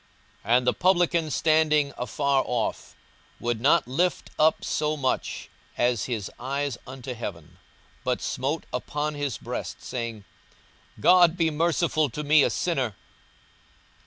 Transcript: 42:018:013 And the publican, standing afar off, would not lift up so much as his eyes unto heaven, but smote upon his breast, saying, God be merciful to me a sinner.